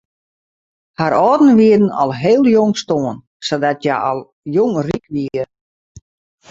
Har âlden wiene al heel jong stoarn sadat hja al jong ryk wie.